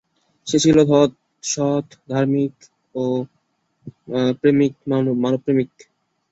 সে ছিল সৎ, ধার্মিক, মানব প্রেমিক।